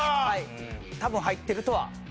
多分入ってるとは。